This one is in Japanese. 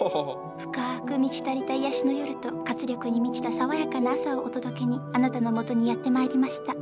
深く満ち足りた癒やしの夜と活力に満ちた爽やかな朝をお届けにあなたのもとにやってまいりました。